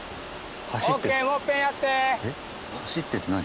走ってって何？